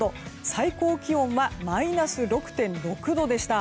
最高気温はマイナス６．６度でした。